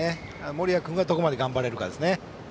森谷君はどこまで頑張れるかです。